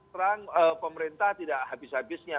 terang pemerintah tidak habis habisnya